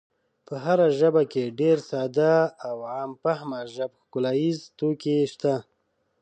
په هره ژبه کې ډېر ساده او عام فهمه ژب ښکلاییز توکي شته.